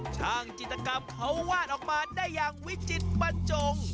ช่างจิตกรรมเขาวาดออกมาได้อย่างวิจิตบรรจง